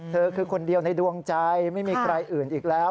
เธอคือคนเดียวในดวงใจไม่มีใครอื่นอีกแล้ว